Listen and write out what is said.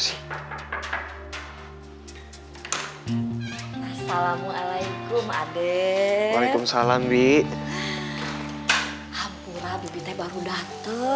sekarang handphonenya mati